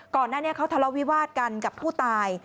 ก่อนหน้านี้เขาทะเลาวิวาสกันกับผู้ตาย